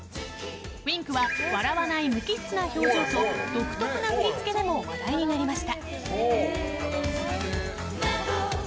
Ｗｉｎｋは笑わない無機質な表情と独特な振り付けでも話題になりました。